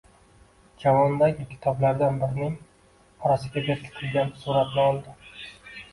Javondagi kitoblardan birining orasiga berkitilgan suratni oldi